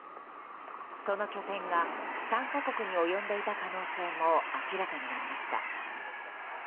その拠点が３か国に及んでいた可能性も明らかになりました。